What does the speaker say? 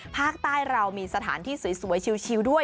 ภาคใต้เรามีสถานที่สวยชิลด้วย